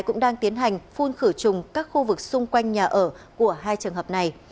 cũng đang tiến hành phun khử trùng các khu vực xung quanh nhà ở của hai trường hợp này